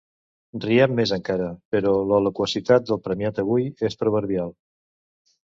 Riem més encara, però la loquacitat del premiat avui és proverbial.